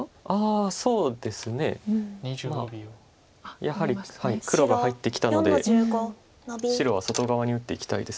やはり黒が入ってきたので白は外側に打っていきたいです。